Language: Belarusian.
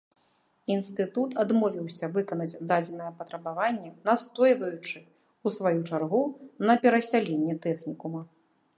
Інстытут адмовіўся выканаць дадзенае патрабаванне, настойваючы, у сваю чаргу, на перасяленні тэхнікума.